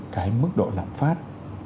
cái mức độ lạm phát